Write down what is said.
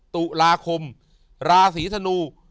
ตุลาคมราศีธนู